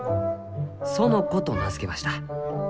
園子と名付けました」。